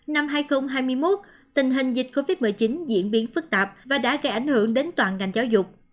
năm hai nghìn hai mươi một tình hình dịch covid một mươi chín diễn biến phức tạp và đã gây ảnh hưởng đến toàn ngành giáo dục